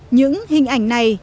những hình ảnh này